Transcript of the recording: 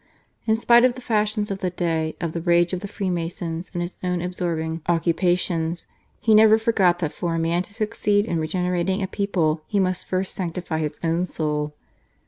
In spite of the fashion of the day, of the rage of the Freemasons and his own absorbing occupations, he never forgot that for a man to succeed in regenerating a people he must first sanctify his own soul.